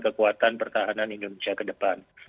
kekuatan pertahanan indonesia ke depan